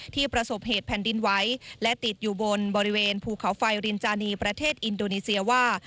ประสบเหตุแผ่นดินไหวและติดอยู่บนบริเวณภูเขาไฟรินจานีประเทศอินโดนีเซียว่า